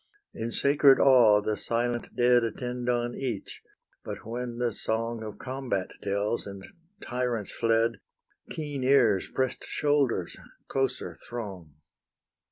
In sacred awe the silent dead Attend on each: but when the song Of combat tells and tyrants fled, Keen ears, press'd shoulders, closer throng.